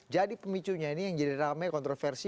jadi pemicunya ini yang jadi rame kontroversi